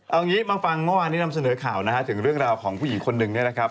เอางี้มาฟังเมื่อวานนี้นำเสนอข่าวนะฮะถึงเรื่องราวของผู้หญิงคนหนึ่งเนี่ยนะครับ